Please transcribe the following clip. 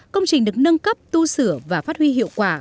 công trình được nâng cấp tu sửa và phát huy hiệu quả